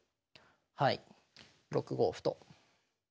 はい６五歩と。